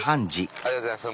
ありがとうございます。